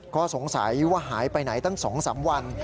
ก็สงสัยว่าหายไปไหนตั้ง๒๓วัน